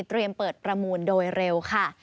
เตรียมเปิดประมูลโดยเร็ว